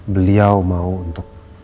beliau mau untuk